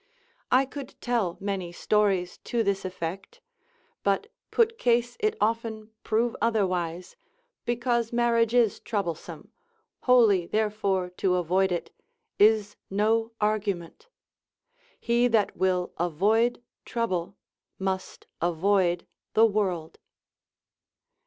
I could tell many stories to this effect; but put case it often prove otherwise, because marriage is troublesome, wholly therefore to avoid it, is no argument; He that will avoid trouble must avoid the world.